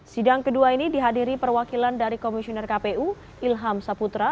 sidang kedua ini dihadiri perwakilan dari komisioner kpu ilham saputra